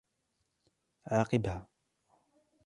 عاقبها.